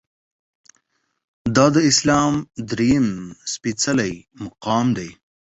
دا د اسلام درېیم سپیڅلی مقام دی.